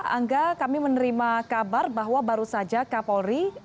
angga kami menerima kabar bahwa baru saja kapolri